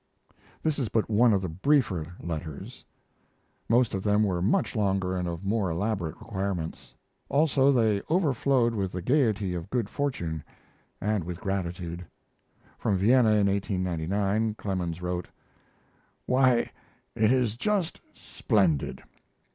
This is but one of the briefer letters. Most of them were much longer and of more elaborate requirements. Also they overflowed with the gaiety of good fortune and with gratitude. From Vienna in 1899 Clemens wrote: Why, it is just splendid!